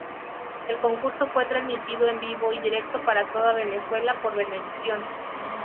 El concurso fue transmitido en vivo y directo para toda Venezuela por Venevisión.